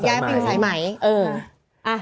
ย้ายเป็นสายไหมเออ